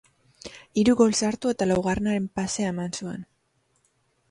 Hiru gol sartu, eta laugarrenaren pasea eman zuen.